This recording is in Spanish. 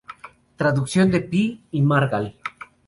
Traducción de Pi y Margall.